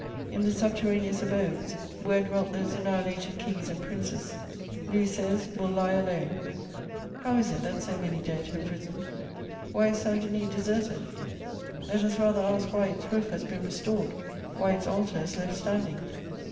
In the subterraneous abodes where dwelt those annihilated kings and princes, Louis XVI. will lie alone!... How is it that so many dead have risen? Why is Saint Denis deserted? Let us rather ask why its roof has been restored, why its altar is left standing.